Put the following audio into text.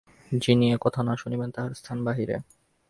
যিনি এ-কথা না শুনিবেন, তাঁহার স্থান বাহিরে।